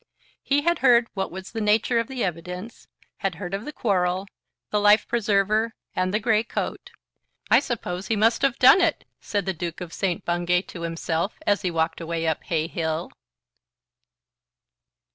He had heard what was the nature of the evidence; had heard of the quarrel, the life preserver, and the grey coat. "I suppose he must have done it," said the Duke of St. Bungay to himself as he walked away up Hay Hill.